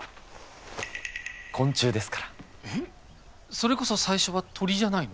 それこそ最初は鳥じゃないの？